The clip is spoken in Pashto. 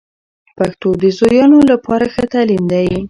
پښتو د زویانو لپاره ښه تعلیم دی.